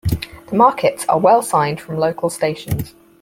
The markets are well signed from local stations.